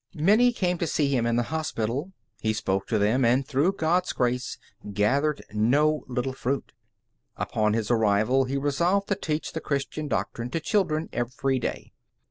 Many came to see him in the hospital. He spoke to them, and through God's grace gathered no little fruit. Upon his arrival, he resolved to teach the Christian doctrine to children every day.